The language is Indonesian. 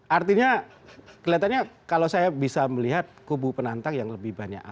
artinya kelihatannya kalau saya bisa melihat kubu penantang yang lebih banyak